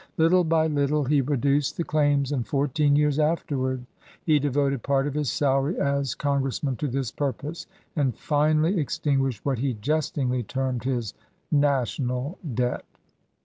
Little by little he reduced the claims, and fourteen years afterward he devoted part of his salary as con gressman to this purpose, and finally extin guished what he jestingly termed his "national debt."